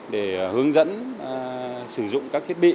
để hướng dẫn sử dụng các thiết bị